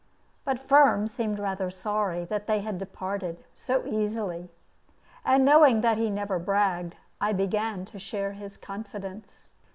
But Firm seemed rather sorry that they had departed so easily. And knowing that he never bragged, I began to share his confidence.